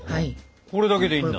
これだけでいいんだ？